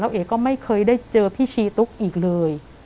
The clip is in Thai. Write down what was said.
เอ๋ก็ไม่เคยได้เจอพี่ชีตุ๊กอีกเลย